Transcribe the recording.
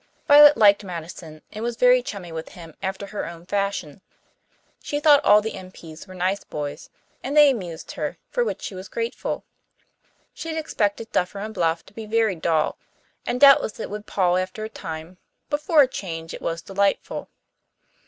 Violet liked Madison, and was very chummy with him after her own fashion. She thought all the M.P.s were nice boys, and they amused her, for which she was grateful. She had expected Dufferin Bluff to be very dull, and doubtless it would pall after a time, but for a change it was delightful.